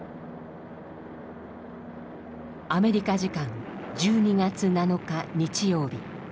アメリカ時間１２月７日日曜日。